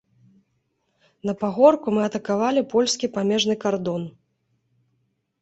На пагорку мы атакавалі польскі памежны кардон.